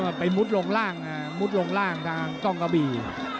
ไปมุดลงล่างมุดลงล่างทางกล้องกะบี่